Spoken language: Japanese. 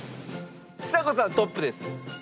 ちさ子さんトップです。